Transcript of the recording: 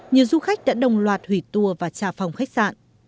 nhiều du khách đã đồng loạt hủy tour và trả phòng khách sạn